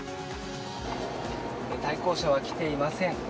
対向車は来ていません。